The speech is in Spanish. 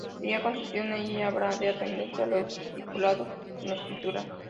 Si ha consentido en ella, habrá de atenerse a lo estipulado en la escritura.